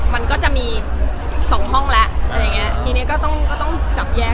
มันก็จะมี๒ห้องแล้วทีนี้ก็ต้องจับแยก